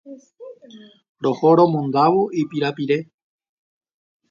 Roho romondávo ipirapire.